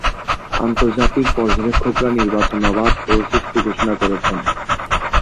আন্তর্জাতিক পর্যবেক্ষকরা নির্বাচন অবাধ ও সুষ্ঠু ঘোষণা করেছেন।